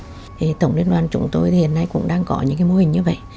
thì tổng liên đoàn chúng tôi thì hiện nay cũng đang có những cái mô hình như vậy